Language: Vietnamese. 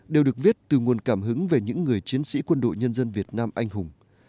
đều được viết từ nguồn cảm hứng về những người chiến sĩ quân đội nhân dân việt nam anh hùng